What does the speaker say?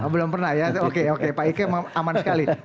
belum pernah ya oke pak ika aman sekali